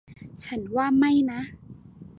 ฉันว่าไม่นะ